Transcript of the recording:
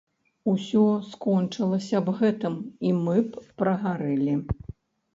Усё скончылася б гэтым, і мы б прагарэлі.